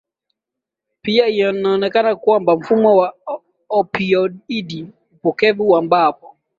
Pia inaonekana kwamba mfumo wa opioidi μpokevu ambayo